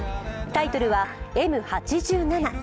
タイトルは「Ｍ八七」。